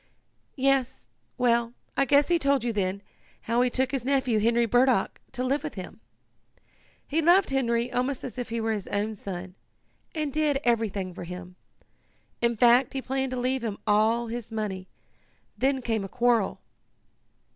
"Yes. Well, I guess he told you then, how he took his nephew, Henry Burdock, to live with him. He loved Henry almost as if he were his own son, and did everything for him. In fact he planned to leave him all his money. Then came a quarrel."